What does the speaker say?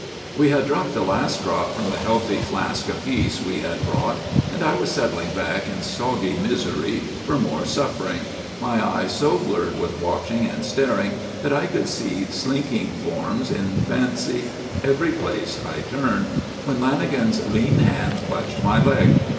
We had drunk the last drop from the healthy flask apiece we had brought and I was settling back in soggy misery for more suffering, my eyes so blurred with watching and staring that I could see slinking forms in fancy every place I turned, when Lanagan's lean hand clutched my leg.